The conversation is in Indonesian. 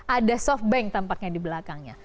ada softbank tampaknya di belakangnya